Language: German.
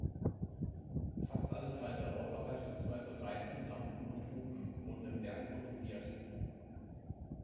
Fast alle Teile, außer beispielsweise Reifen, Lampen und Hupen, wurden im Werk produziert.